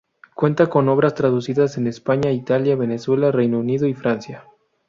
Cuenta con obras traducidas en España, Italia, Venezuela, Reino Unido y Francia.